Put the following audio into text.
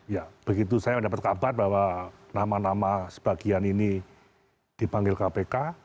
ya begitu saya mendapat kabar bahwa nama nama sebagian ini dipanggil kpk